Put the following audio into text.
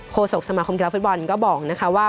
โฆษโอกสมาคมเกียรติฟิศวรรณก็บอกนะคะว่า